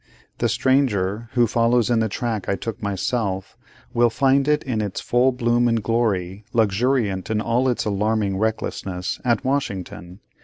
The stranger, who follows in the track I took myself, will find it in its full bloom and glory, luxuriant in all its alarming recklessness, at Washington.